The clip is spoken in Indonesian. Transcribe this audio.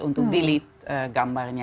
untuk delete gambarnya